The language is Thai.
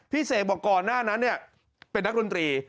เสกบอกก่อนหน้านั้นเป็นนักดนตรี